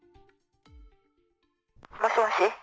もしもし。